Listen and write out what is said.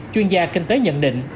chuyên gia kinh tế nhận định